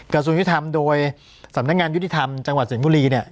กระทรวงยุทธรรมโดยสำนักงานยุติธรรมจังหวัดสิงห์บุรีเนี่ย